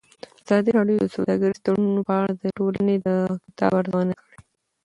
ازادي راډیو د سوداګریز تړونونه په اړه د ټولنې د ځواب ارزونه کړې.